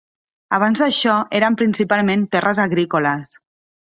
Abans d'això, eren principalment terres agrícoles.